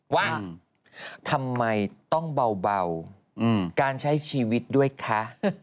ว่าทำไมต้องเบาการใช้ชีวิตด้วยคะ